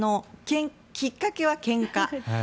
きっかけはけんか。